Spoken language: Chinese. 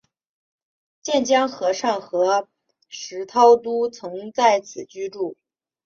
渐江和尚和石涛都曾在此居住。